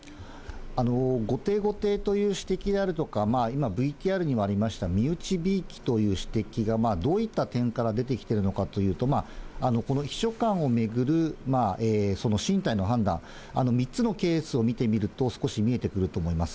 後手後手という指摘であるとか、今ＶＴＲにもありました身内びいきという指摘が、どういった点から出てきているのかというと、この秘書官を巡る進退の判断、３つのケースを見てみると、少し見えてくると思います。